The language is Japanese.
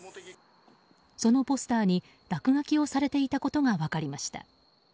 そのポスターに落書きをされていたことが分かりました。